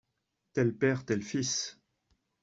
Tel père, tel fils.